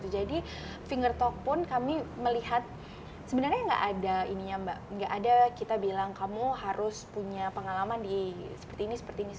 jadi finger talk pun kami melihat sebenarnya tidak ada kita bilang kamu harus punya pengalaman seperti ini seperti ini